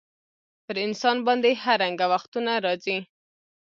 پر انسان باندي هر رنګه وختونه راځي.